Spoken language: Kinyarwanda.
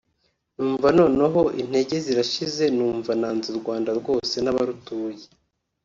numva noneho intege zirashize numva nanze u Rwanda rwose n’abarutuye